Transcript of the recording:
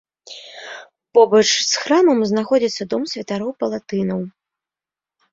Побач з храмам знаходзіцца дом святароў-палатынаў.